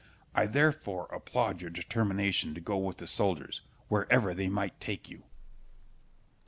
I therefore applaud your determination to go with the soldiers, wherever they might take you.